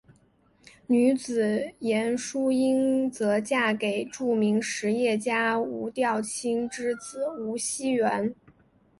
女子严淑英则嫁给著名实业家吴调卿之子吴熙元。